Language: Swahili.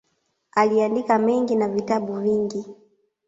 Aliandika mengi na vitabu vingi.